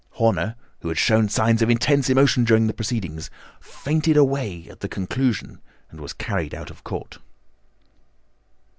Horner, who had shown signs of intense emotion during the proceedings, fainted away at the conclusion and was carried out of court."